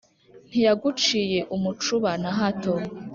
Ntiyaguciye umucuba na hato